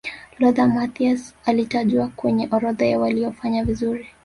lothar matthaus alitajwa kwenye orodha ya waliofanya vizuri